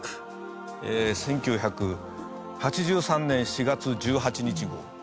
１９８３年４月１８日号。